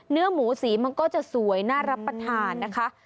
เนื้อหมูสีมันก็จะสวยน่ารับประทานนะคะ